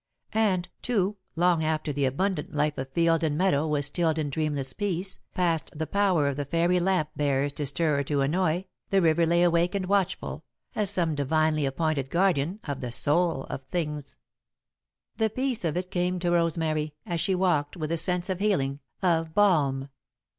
And, too, long after the abundant life of field and meadow was stilled in dreamless peace, past the power of the fairy lamp bearers to stir or to annoy, the river lay awake and watchful, as some divinely appointed guardian of the Soul of Things. [Sidenote: Murmur of Voices] The peace of it came to Rosemary, as she walked, with the sense of healing, of balm.